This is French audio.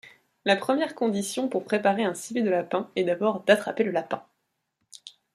La première condition pour préparer un civet de lapin est d'abord d'attraper le lapin.